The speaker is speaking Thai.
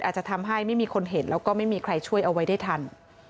อาจจะทำให้ไม่มีคนเห็นแล้วก็ไม่มีใครช่วยเอาไว้ได้ทัน